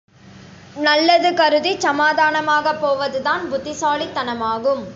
நல்லது கருதிச் சமாதானமாகப் போவதுதான் புத்திசாலித் தனமாகும்.